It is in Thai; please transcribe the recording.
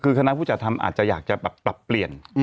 คือคณะผู้จัดทำอาจจะอยากจะแบบปรับเปลี่ยน